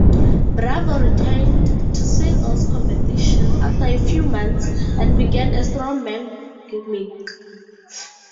Bravo returned to singles competition after a few months and began a strongman gimmick.